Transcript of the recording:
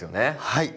はい。